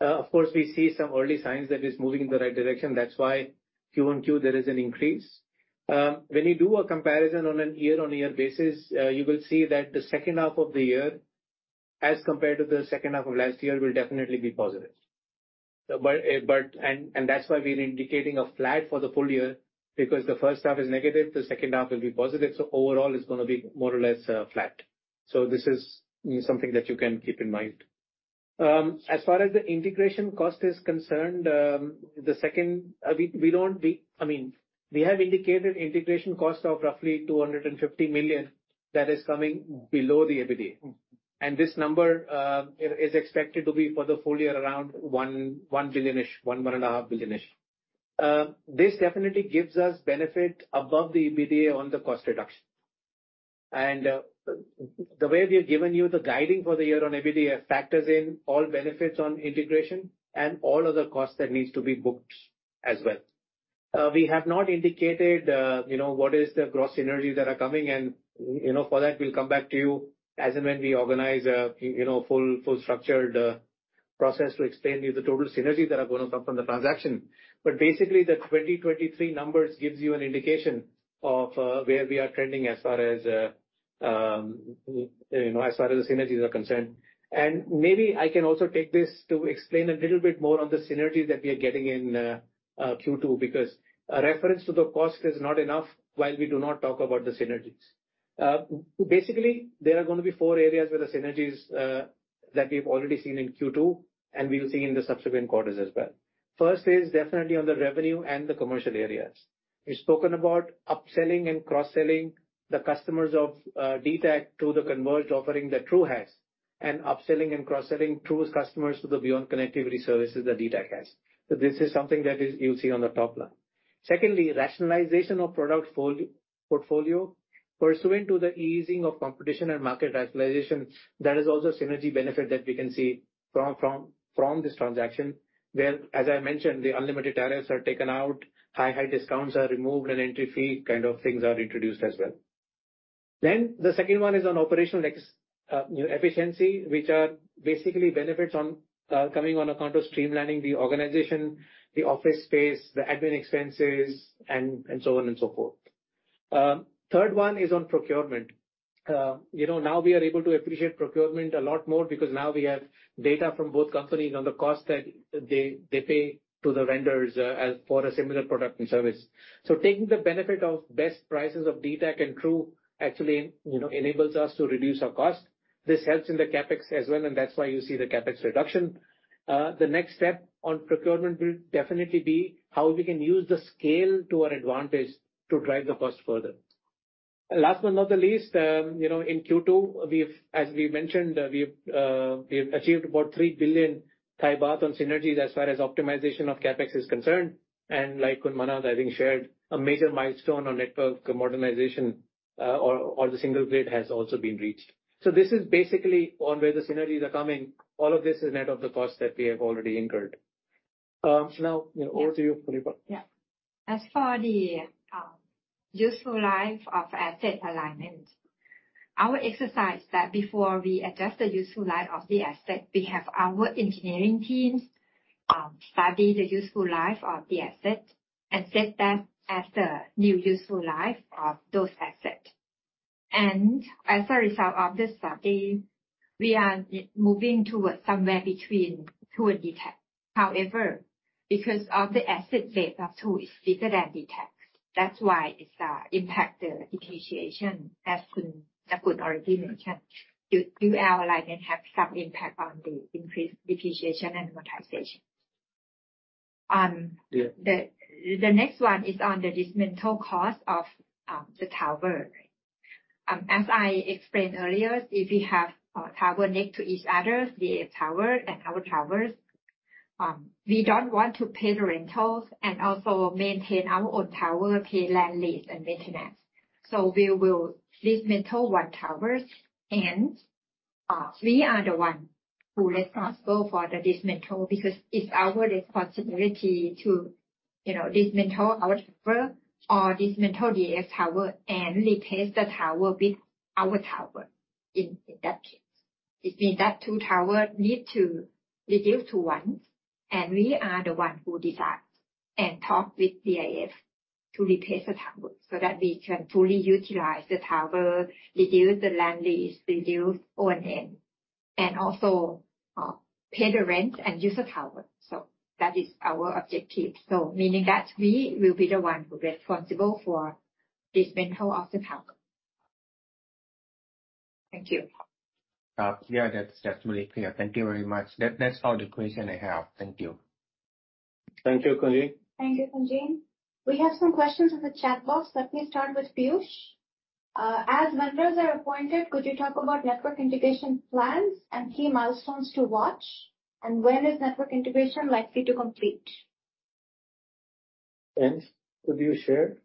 Of course, we see some early signs that it's moving in the right direction. That's why Q1/Q there is an increase. When you do a comparison on an year-on-year basis, you will see that the second half of the year, as compared to the second half of last year, will definitely be positive. That's why we're indicating a flat for the full year, because the first half is negative, the second half will be positive. Overall it's gonna be more or less flat. This is something that you can keep in mind. As far as the integration cost is concerned, we don't, I mean, we have indicated integration cost of roughly 250 million that is coming below the EBITDA. This number is expected to be for the full year, around 1 billion-ish, 1 and a half billion-ish. This definitely gives us benefit above the EBITDA on the cost reduction. The way we have given you the guiding for the year on EBITDA factors in all benefits on integration and all other costs that needs to be booked as well. We have not indicated, you know, what is the gross synergies that are coming, and, you know, for that, we'll come back to you as and when we organize a, you know, full structured process to explain to you the total synergies that are gonna come from the transaction. Basically, the 2023 numbers gives you an indication of where we are trending as far as, you know, as far as the synergies are concerned. Maybe I can also take this to explain a little bit more on the synergies that we are getting in Q2, because a reference to the cost is not enough, while we do not talk about the synergies. Basically, there are gonna be four areas where the synergies that we've already seen in Q2, and we will see in the subsequent quarters as well. First is definitely on the revenue and the commercial areas. We've spoken about upselling and cross-selling the customers of DTAC to the converged offering that True has, and upselling and cross-selling True's customers to the beyond connectivity services that DTAC has. This is something that is you'll see on the top line. Secondly, rationalization of product portfolio. Pursuant to the easing of competition and market rationalization, there is also synergy benefit that we can see from this transaction, where, as I mentioned, the unlimited tariffs are taken out, high discounts are removed, and entry fee kind of things are introduced as well. The second one is on operational, you know, efficiency, which are basically benefits on coming on account of streamlining the organization, the office space, the admin expenses, and so on and so forth. Third one is on procurement. You know, now we are able to appreciate procurement a lot more because now we have data from both companies on the cost that they pay to the vendors as for a similar product and service. Taking the benefit of best prices of DTAC and True actually, you know, enables us to reduce our cost. This helps in the CapEx as well, and that's why you see the CapEx reduction. The next step on procurement will definitely be how we can use the scale to our advantage to drive the cost further. Last but not the least, you know, in Q2, as we mentioned, we've achieved about 3 billion baht on synergies as far as optimization of CapEx is concerned. Like Kun Manat, I think, shared, a major milestone on network modernization, or the single grid has also been reached. This is basically on where the synergies are coming. All of this is net of the costs that we have already incurred. Over to you, Khun Yupa. Yeah. As for the useful life of asset alignment, our exercise that before we adjust the useful life of the asset, we have our engineering teams study the useful life of the asset and set that as the new useful life of those assets. As a result of this study, we are moving towards somewhere between True and DTAC. However, because of the asset base of True is bigger than DTAC, that's why it's impact the depreciation, as Kun already mentioned. Due to our alignment have some impact on the increased depreciation and amortization. Yeah. The next one is on the dismantle cost of the tower. As I explained earlier, if we have a tower next to each other, DIF tower and our towers, we don't want to pay the rentals and also maintain our own tower, pay land lease and maintenance. We will dismantle one towers, and we are the one who responsible for the dismantle, because it's our responsibility to, you know, dismantle our tower or dismantle DIF tower and replace the tower with our tower, in that case. It means that two towers need to reduce to one, and we are the one who decide and talk with DIF to replace the tower, so that we can fully utilize the tower, reduce the land lease, reduce O&M, and also pay the rent and use the tower. That is our objective. Meaning that we will be the one who responsible for dismantle of the tower. Thank you. Yeah, that's really clear. Thank you very much. That's all the question I have. Thank you. Thank you, Khun Ji. Thank you, Khun Ji. We have some questions in the chat box. Let me start with Piyush. As vendors are appointed, could you talk about network integration plans and key milestones to watch? When is network integration likely to complete? Could you share?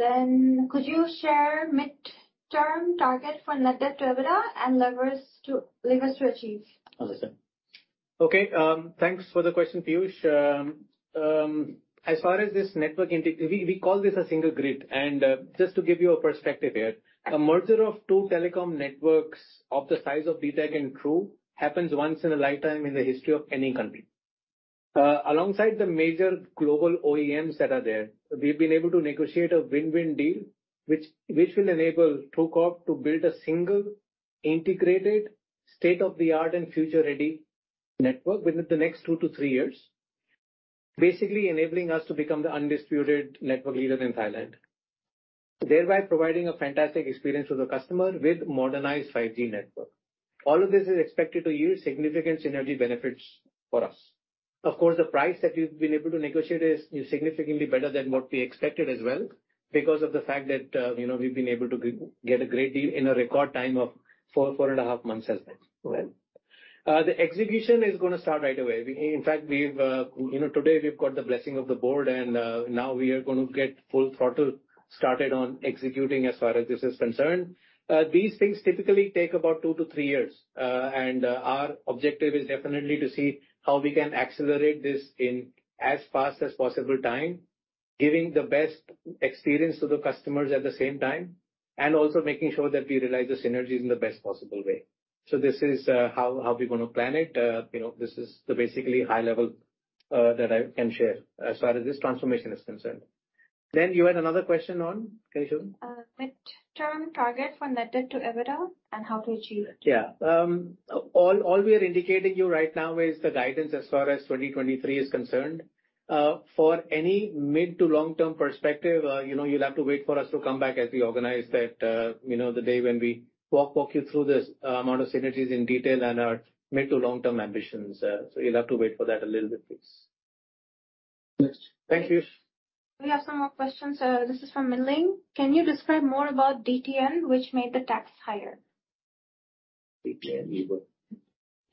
Could you share midterm target for net debt to EBITDA and levers to achieve? Okay, sir. Okay, thanks for the question, Piyush. As far as this network, we call this a single grid. Just to give you a perspective here, a merger of two telecom networks of the size of DTAC and True happens once in a lifetime in the history of any country. Alongside the major global OEMs that are there, we've been able to negotiate a win-win deal, which will enable True Corp to build a single, integrated, state-of-the-art and future-ready network within the next 2-3 years. Basically enabling us to become the undisputed network leader in Thailand, thereby providing a fantastic experience to the customer with modernized 5G network. All of this is expected to yield significant synergy benefits for us. Of course, the price that we've been able to negotiate is significantly better than what we expected as well, because of the fact that, you know, we've been able to get a great deal in a record time of four and a half months as well. The execution is gonna start right away. We, in fact, we've, you know, today we've got the blessing of the board, and, now we are gonna get full throttle started on executing as far as this is concerned. These things typically take about two to three years. Our objective is definitely to see how we can accelerate this in as fast as possible time, giving the best experience to the customers at the same time, and also making sure that we realize the synergies in the best possible way. This is how we're gonna plan it. You know, this is the basically high level that I can share as far as this transformation is concerned. You had another question on, Yupa? Mid-term target for net debt to EBITDA and how to achieve it. All we are indicating you right now is the guidance as far as 2023 is concerned. For any mid to long-term perspective, you know, you'll have to wait for us to come back as we organize that, you know, the day when we walk you through this amount of synergies in detail and our mid to long-term ambitions. You'll have to wait for that a little bit, please. Yes. Thank you. We have some more questions. This is from Milling. Can you describe more about DTN, which made the tax higher? DTN, Khun Yupa.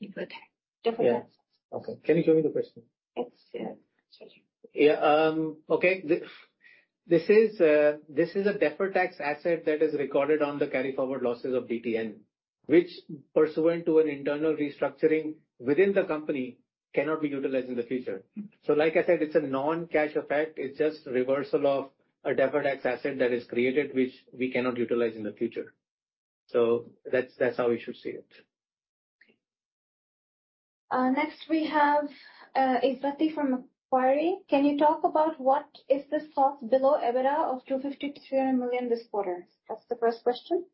Kunyupa. Deferred tax. Yeah. Okay. Can you tell me the question? It's, yeah, sorry. Yeah, okay. This is a deferred tax asset that is recorded on the carry-forward losses of DTN, which, pursuant to an internal restructuring within the company, cannot be utilized in the future. Like I said, it's a non-cash effect. It's just reversal of a deferred tax asset that is created, which we cannot utilize in the future. That's how we should see it. Okay. Next we have Izzati from Macquarie. Can you talk about what is the cost below EBITDA of 250 million this quarter? That's the first question.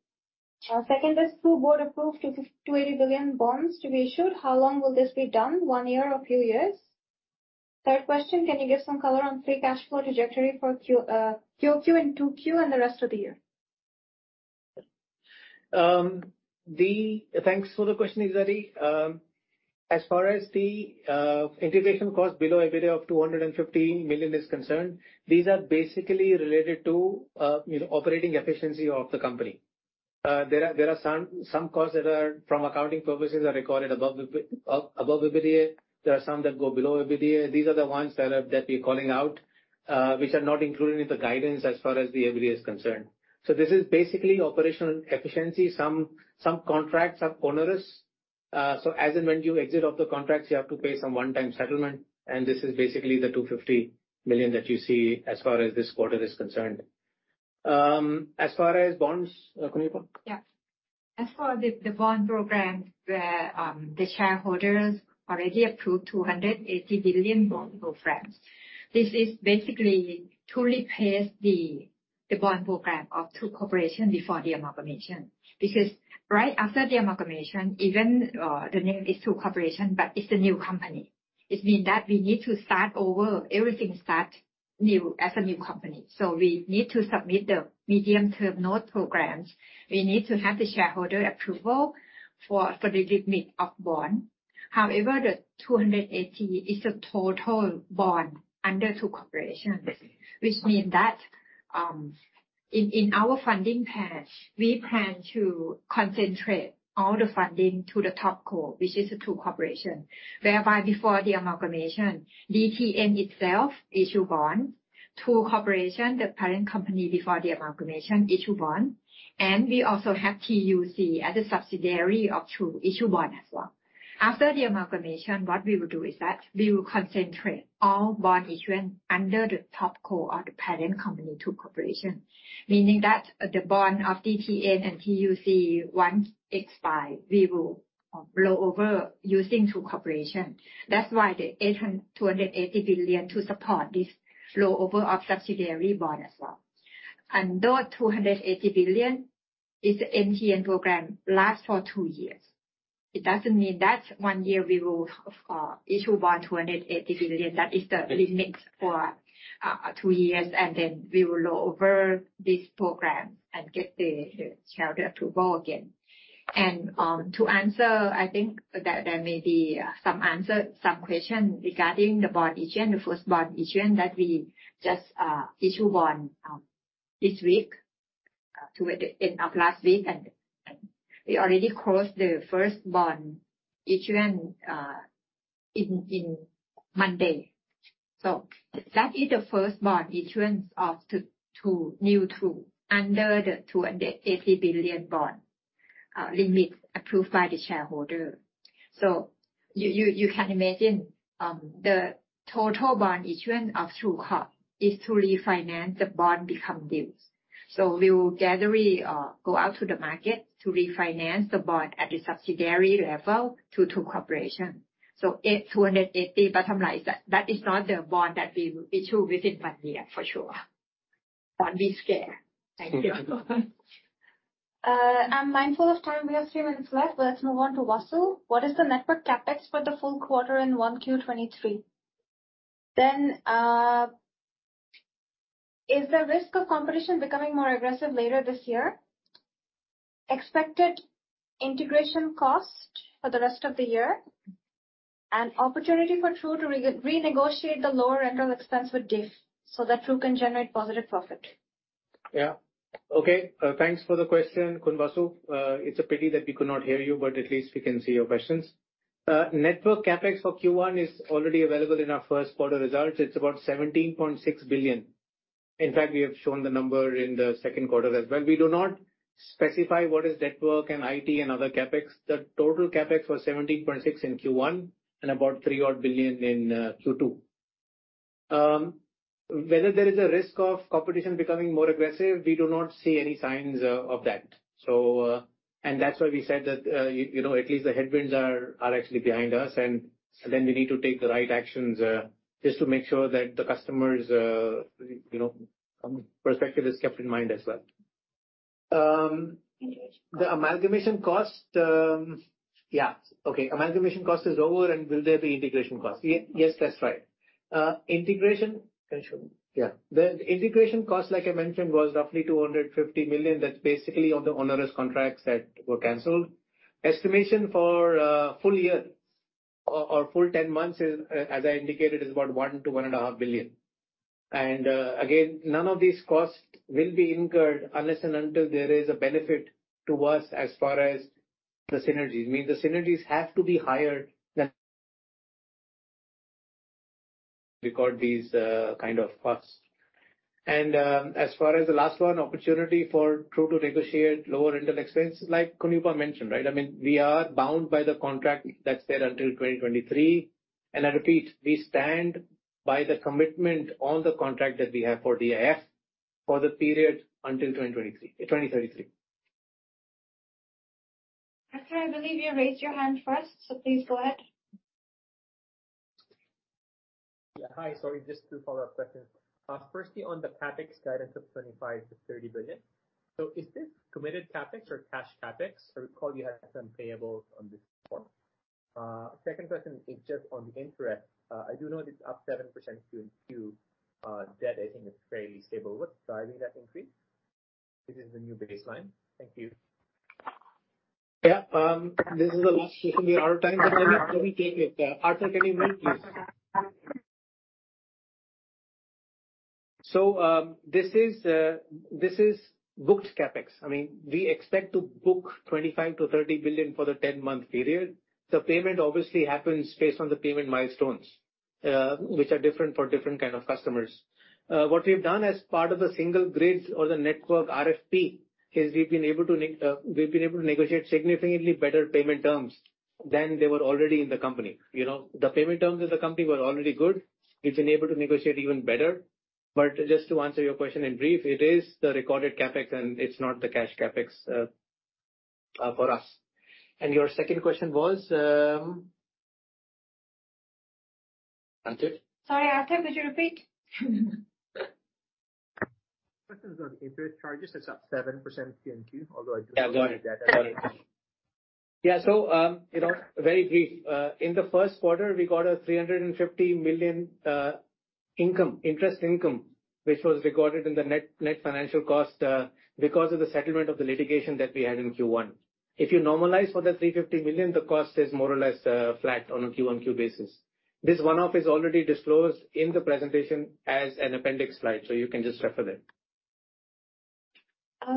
Second is, True board approved 280 billion bonds to be issued. How long will this be done, one year or a few years? Third question, can you give some color on free cash flow trajectory for Q and 2Q and the rest of the year? Thanks for the question, Izzati. As far as the integration cost below EBITDA of 250 million is concerned, these are basically related to, you know, operating efficiency of the company. There are some costs that are, from accounting purposes, are recorded above the above EBITDA. There are some that go below EBITDA. These are the ones that we're calling out, which are not included in the guidance as far as the EBITDA is concerned. This is basically operational efficiency. Some contracts are onerous. As and when you exit off the contracts, you have to pay some one-time settlement, and this is basically the 250 million that you see as far as this quarter is concerned. As far as bonds, Kunyupa? As for the bond program, where the shareholders already approved 280 billion bond programs, this is basically to replace the bond program of True Corporation before the amalgamation. Right after the amalgamation, even the name is True Corporation, but it's a new company. It means that we need to start over, everything start new, as a new company. We need to submit the MTN programs. We need to have the shareholder approval for the remit of bond. The 280 billion is a total bond under True Corporation, which mean that in our funding plan, we plan to concentrate all the funding to the top co, which is the True Corporation. Whereby before the amalgamation, DTN itself issue bond, True Corporation, the parent company before the amalgamation, issue bond, and we also have TUC as a subsidiary of True, issue bond as well. After the amalgamation, what we will do is that we will concentrate all bond issuance under the top co or the parent company, True Corporation. Meaning that the bond of DTN and TUC, once expire, we will roll over using True Corporation. That's why the 280 billion to support this roll over of subsidiary bond as well. And those 280 billion is MTN program last for 2 years. It doesn't mean that 1 year we will issue bond 280 billion. That is the limit for 2 years, and then we will roll over this program and get the shareholder approval again. To answer, I think that there may be some answer, some question regarding the bond issue, the first bond issue, that we just issue bond this week toward the end of last week, and we already closed the first bond issuance in Monday. That is the first bond issuance of T-True, new True, under the 280 billion bond limits approved by the shareholder. You can imagine, the total bond issuance of True Corp is to refinance the bond become due. We will gatherly go out to the market to refinance the bond at the subsidiary level to True Corporation. 280, bottom line, is that is not the bond that we will issue within one year, for sure. Don't be scared. Thank you. I'm mindful of time. We have three minutes left. Let's move on to Vasu. What is the network CapEx for the full quarter in 1Q23? Is there risk of competition becoming more aggressive later this year? Expected integration cost for the rest of the year, opportunity for True to renegotiate the lower rental expense with DIF, so that True can generate positive profit. Yeah. Okay, thanks for the question, Khun Vasu. It's a pity that we could not hear you, but at least we can see your questions. Network CapEx for Q1 is already available in our first quarter results. It's about 17.6 billion. In fact, we have shown the number in the second quarter as well. We do not specify what is network and IT and other CapEx. The total CapEx was 17.6 in Q1 and about 3 odd billion in Q2. Whether there is a risk of competition becoming more aggressive, we do not see any signs of that. That's why we said that, you know, at least the headwinds are actually behind us, and then we need to take the right actions, just to make sure that the customers, you know, perspective is kept in mind as well. The amalgamation cost. Okay. Amalgamation cost is over, and will there be integration cost? Yes, that's right. Integration. The integration cost, like I mentioned, was roughly 250 million. That's basically on the onerous contracts that were canceled. Estimation for full year or full 10 months is, as I indicated, is about 1 billion-1.5 billion. Again, none of these costs will be incurred unless and until there is a benefit to us as far as the synergies. Meaning, the synergies have to be higher than record these, kind of costs. As far as the last one, opportunity for True to negotiate lower rental expense, like Kunyupa mentioned, right? I mean, we are bound by the contract that's there until 2023. I repeat, we stand by the commitment on the contract that we have for DIF for the period until 2023, 2033. Arthur, I believe you raised your hand first, so please go ahead. Yeah. Hi, sorry, just two follow-up questions. Firstly, on the CapEx guidance of 25 billion-30 billion. Is this committed CapEx or cash CapEx? I recall you had some payables on this before. Second question is just on the interest. I do know it is up 7% quarter-in-quarter. Debt, I think, is fairly stable. What's driving that increase? This is the new baseline. Thank you. Yeah, this is the last question. We are out of time, but we take it. Arthur, can you mute, please? This is, this is booked CapEx. I mean, we expect to book 25 billion-30 billion for the 10-month period. The payment obviously happens based on the payment milestones, which are different for different kind of customers. What we've done as part of the single grid or the network RFP, is we've been able to negotiate significantly better payment terms than they were already in the company. You know, the payment terms of the company were already good. We've been able to negotiate even better. Just to answer your question in brief, it is the recorded CapEx, and it's not the cash CapEx for us. Your second question was... Arthur? Sorry, Arthur, could you repeat? Question is on interest charges. It's up 7% quarter-in-quarter, although. Yeah. Got it. Yeah. you know, very brief, in the first quarter, we got a 350 million, income, interest income, which was recorded in the net financial cost, because of the settlement of the litigation that we had in Q1. If you normalize for the 350 million, the cost is more or less, flat on a Q1Q basis. This one-off is already disclosed in the presentation as an appendix slide, so you can just refer there.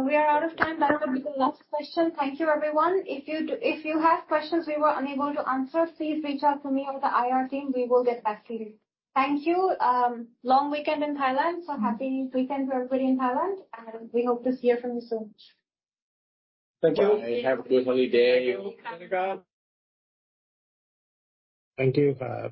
We are out of time. That would be the last question. Thank you, everyone. If you have questions we were unable to answer, please reach out to me or the IR team, we will get back to you. Thank you. Long weekend in Thailand, happy weekend to everybody in Thailand, we hope to hear from you soon. Thank you. Bye. Have a good holiday. Thank you. Thank you. Bye.